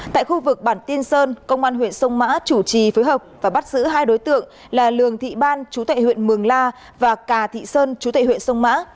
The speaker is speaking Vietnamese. tại khu vực bản tin sơn công an huyện sông mã chủ trì phối hợp và bắt giữ hai đối tượng là lường thị ban chú tệ huyện mường la và cà thị sơn chú tệ huyện sông mã